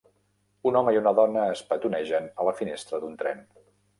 Un home i una dona es petonegen a la finestra d'un tren.